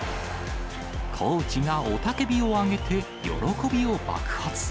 コーチが雄たけびを上げて、喜びを爆発。